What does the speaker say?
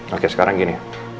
oke sekarang gini